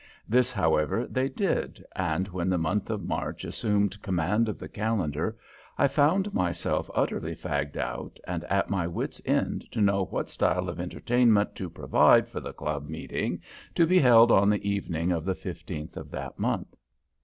This, however, they did; and when the month of March assumed command of the calendar I found myself utterly fagged out and at my wits' end to know what style of entertainment to provide for the club meeting to be held on the evening of the 15th of that month.